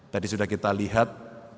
tadi sudah kita lihat